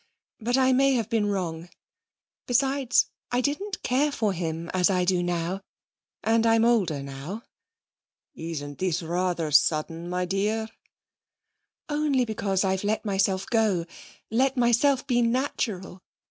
But I may have been wrong. Besides, I didn't care for him as I do now. And I'm older now.' 'Isn't this rather sudden, my dear?' 'Only because I've let myself go let myself be natural!